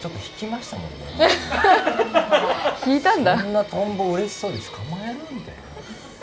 そんなトンボ、うれしそうに捕まえる？みたいな。